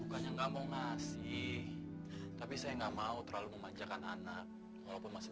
bukannya nggak mau ngasih tapi saya nggak mau terlalu memanjakan anak walaupun masih